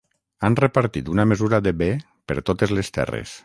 Han repartit una mesura de bé per totes les terres.